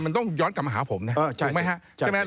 มันต้องย้อนกลับมาหาผมนะ